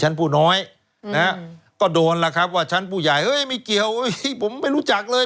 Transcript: ผู้น้อยนะฮะก็โดนล่ะครับว่าชั้นผู้ใหญ่เฮ้ยไม่เกี่ยวผมไม่รู้จักเลย